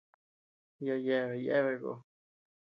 Yaʼa yeabea yéabea koo.